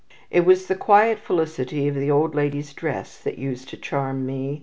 "It was the quiet felicity of the old lady's dress that used to charm me.